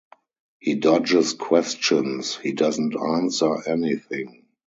He dodges questions, he doesn't answer anything.